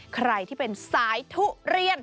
ใครที่เป็นสายทุเรียน